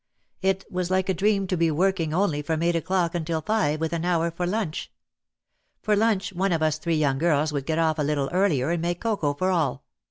It was like a dream to be working only from eight o'clock until five with an hour for lunch. For lunch one of us three young girls would get off a little earlier and make cocoa for all.